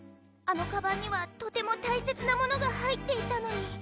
あのカバンにはとてもたいせつなものがはいっていたのに。